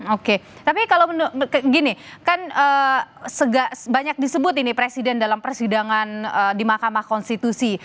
oke tapi kalau gini kan banyak disebut ini presiden dalam persidangan di mahkamah konstitusi